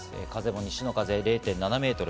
風も西の風、０．７メートル。